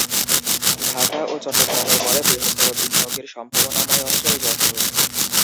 ঢাকা ও চট্টগ্রামের পরে বৃহত্তর বিনিয়োগের সম্ভাবনাময় অঞ্চল যশোর।